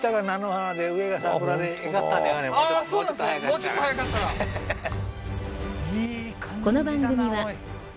もうちょっと早かったらははははっ